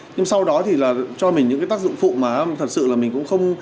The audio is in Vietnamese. nhưng sau đó thì là cho mình những cái tác dụng phụ mà thật sự là mình cũng không